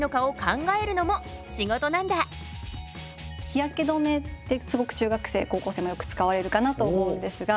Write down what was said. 日焼け止めってすごく中学生高校生もよく使われるかなと思うんですが。